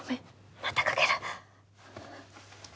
またかける。